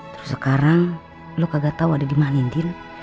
terus sekarang lo kagak tau ada dimana indin